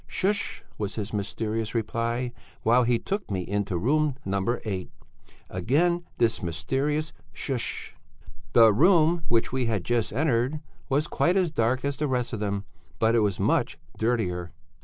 'Shsh!' was his mysterious reply, while he took me into room No. 8. Again this mysterious shsh! "The room which we had just entered was quite as dark as the rest of them, but it was much dirtier.